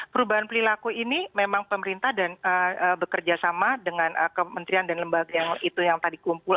perubahan perilaku ini memang pemerintah bekerja sama dengan kementerian dan lembaga yang tadi kumpul